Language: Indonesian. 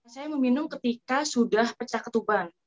saya meminum ketika sudah pecah ketuban